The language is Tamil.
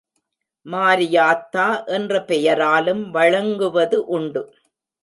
மாரியாத்தா என்ற பெயராலும் வழங்குவது உண்டு.